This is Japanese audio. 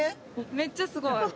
めっちゃすごい！